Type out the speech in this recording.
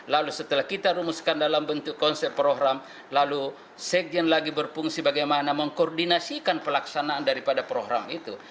lalu setelah kita rumuskan dalam bentuk konsep program lalu sekjen lagi berfungsi bagaimana mengkoordinasikan pelaksanaan daripada program itu